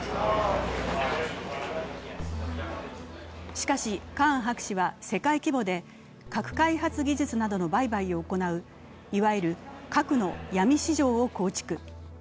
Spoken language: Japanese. しかしカーン博士は世界規模で核開発技術などの売買を行ういわゆる核の闇市場を構築。